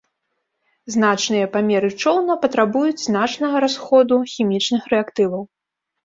Значныя памеры чоўна патрабуюць значнага расходу хімічных рэактываў.